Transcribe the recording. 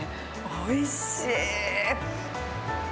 おいしい！